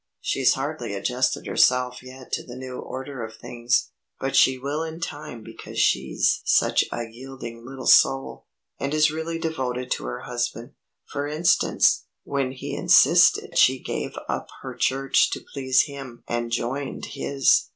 "She's hardly adjusted herself yet to the new order of things, but she will in time because she's such a yielding little soul, and is really devoted to her husband. For instance, when he insisted she gave up her church to please him and joined his.